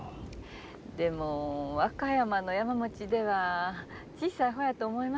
でも和歌山の山持ちでは小さい方やと思いますけど。